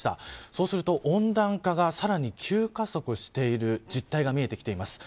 そうすると温暖化がさらに急加速している実態が見えてきています。